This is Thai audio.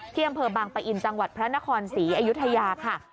อำเภอบางปะอินจังหวัดพระนครศรีอยุธยาค่ะ